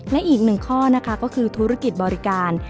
และอีกหนึ่งข้อนะคะก็คือธุรกิจบริการ